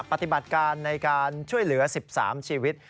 ปฏิบัติการในการช่วยเหลือ๑๓ชีวิต